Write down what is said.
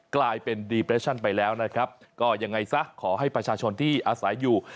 กลายเป็นดีเปรชั่นไปแล้วนะครับก็ยังไงซะขอให้ประชาชนที่อาศัยอยู่